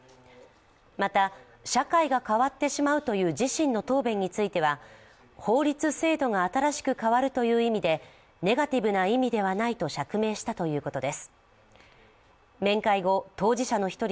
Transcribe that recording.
また、社会が変わってしまうという自身の答弁については法律、制度が新しく変わるという意味で、ネガティブな意味ではないと釈明したということです。